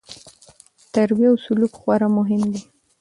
تربیه او سلوک خورا مهم دي.